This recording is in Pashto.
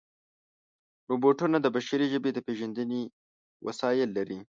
روبوټونه د بشري ژبې د پېژندنې وسایل لري.